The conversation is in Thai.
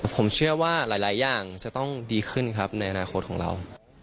ผมเชื่อว่าหลายอย่างจะต้องดีขึ้นครับในอนาคตของเรา